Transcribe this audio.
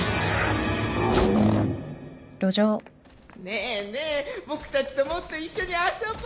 ねーねー僕たちともっと一緒に遊ぼう？